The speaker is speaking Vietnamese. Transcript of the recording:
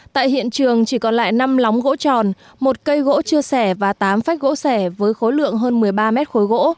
tại hiện trường chỉ còn lại năm lóng gỗ tròn một cây gỗ chia sẻ và tám phách gỗ sẻ với khối lượng hơn một mươi ba mét khối gỗ